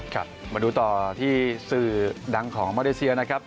ครับมาดูต่อที่สื่อดังของมาเลเซียนะครับ